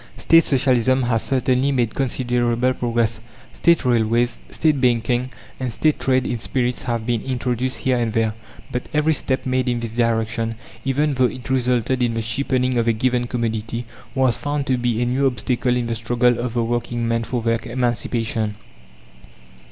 State Socialism has certainly made considerable progress. State railways, State banking, and State trade in spirits have been introduced here and there. But every step made in this direction, even though it resulted in the cheapening of a given commodity, was found to be a new obstacle in the struggle of the working men for their emancipation.